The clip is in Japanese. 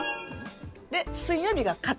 で水曜日が肩。